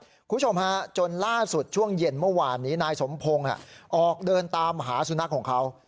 คุณผู้ชมฮะจนล่าสุดช่วงเย็นเมื่อวานนี้นายสมพงศ์ออกเดินตามหาสุนัขของเขา